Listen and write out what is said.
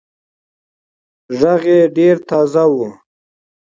غږ يې ډېر تازه وو.